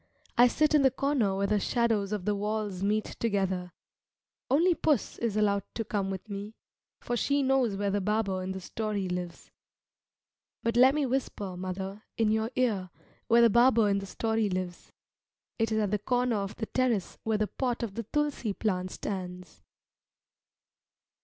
I sit in the corner where the shadows of the walls meet together. Only puss is allowed to come with me, for she knows where the barber in the story lives. But let me whisper, mother, in your ear where the barber in the story lives. It is at the corner of the terrace where the pot of the tulsi plant stands.